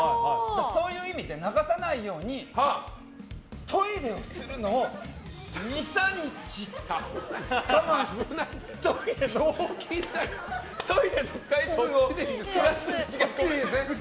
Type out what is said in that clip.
そういう意味で流さないようにトイレをするのを２３日我慢してトイレの回数を減らす。